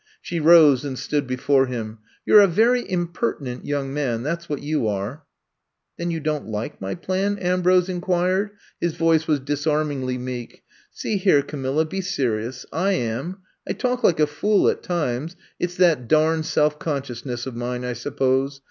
She rose and stood before him. *'You 're a very impertinent young man, that 's what you are 1 '' Then you don't like my plan!" Am brose inquired — ^his voice was disarm ingly meek. *'See here, Camilla, be seri ous. I am. I talk like a fool at times. It 's that dam self consciousness of mine, I suppose.